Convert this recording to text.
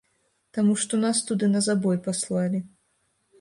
Таму што нас туды на забой паслалі.